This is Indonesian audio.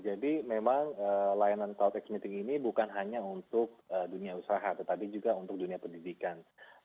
jadi memang layanan cloudx meeting ini bukan hanya untuk dunia usaha tetapi juga untuk dunia pendidikan